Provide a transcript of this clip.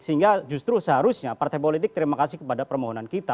sehingga justru seharusnya partai politik terima kasih kepada permohonan kita